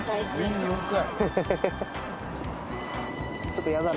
年に４回。